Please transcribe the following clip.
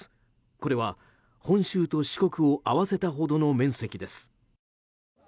これは、本州と四国を合わせたほどの面積です。